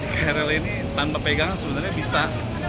krl ini tanpa pegang sebenarnya bisa